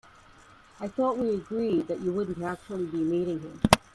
I thought we'd agreed that you wouldn't actually be meeting him?